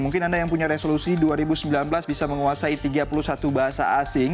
mungkin anda yang punya resolusi dua ribu sembilan belas bisa menguasai tiga puluh satu bahasa asing